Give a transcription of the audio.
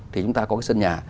thì chúng ta có cái sân nhà